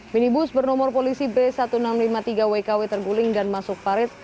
minibus bernomor polisi b seribu enam ratus lima puluh tiga wkw terguling dan masuk parit